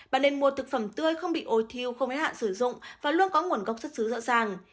bạn nên mua thực phẩm tươi không bị ồi thiêu không hế hạn sử dụng và luôn có nguồn gốc rất dữ dợ dàng